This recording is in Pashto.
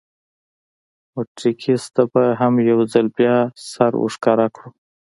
مونټریکس ته به هم یو ځل بیا سر ور ښکاره کړو.